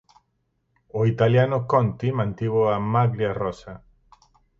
O italiano Conti mantivo a maglia rosa.